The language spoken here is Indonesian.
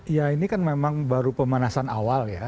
ya ini kan memang baru pemanasan awal ya